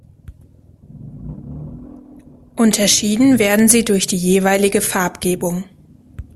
Unterschieden werden sie durch die jeweilige Farbgebung.